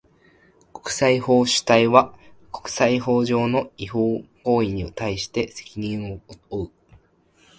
国際法主体は、国際法上の違法行為に対して責任を負う。